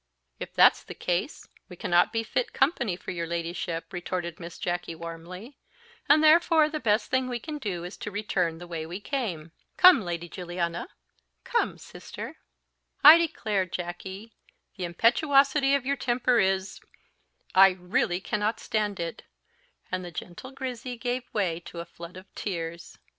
"If that's the case, we cannot be fit company for your ladyship," retorted Miss Jacky warmly; "and therefore the best thing we can do is to return the way we came. Come, Lady Juliana come, sister." "I declare, Jacky, the impetuosity of your temper is I really cannot stand it " and the gentle Grizzy gave way to a flood of tears.